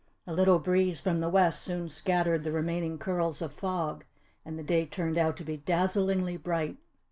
A little breeze from the west soon scattered the remaining curls of fog and the day turned out to be dazzlingly bright.